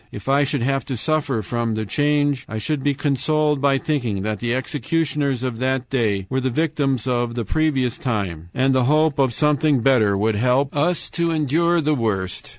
If I should have to suffer from the change, I should be consoled by thinking that the executioners of that day were the victims of the previous time, and the hope of something better would help us to endure the worst.